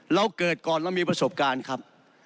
เราเกิดก่อนเรามีประสบการณ์ครับ